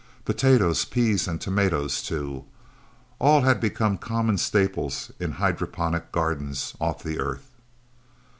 Potatoes, peas and tomatoes, too all had become common staples in hydroponic gardens off the Earth.